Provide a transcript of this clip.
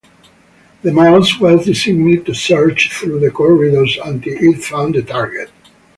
The mouse was designed to search through the corridors until it found the target.